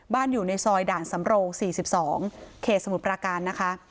บ้านอยู่ในซอยด่านสำรงสี่สิบสองเคสสมุทรประการนะคะ